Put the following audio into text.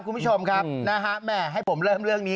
คุณผู้ชมครับนะฮะแม่ให้ผมเริ่มเรื่องนี้